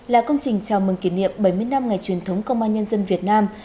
là công trình chào mừng kỷ niệm bảy mươi năm ngày truyền thống công an nhân dân việt nam